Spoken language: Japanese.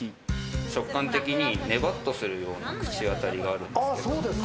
食感的にネバっとするような口当たりがあるんですよ。